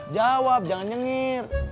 jawab jangan nyengir